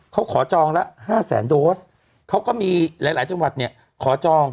เขาขอจองละ๕แสนโดสเขาก็มีหลายหลายจังหวัดเนี่ยขอจอง